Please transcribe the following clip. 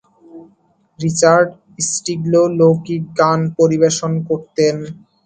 Richard Stilgoe লৌকিক গান পরিবেশন করতেন।